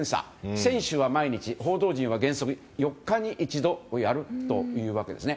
選手は毎日報道陣は原則４日に一度をやるというわけですね。